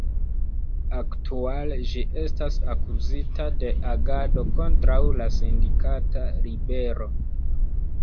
Aktuale ĝi estas akuzita de agado kontraŭ la sindikata libero.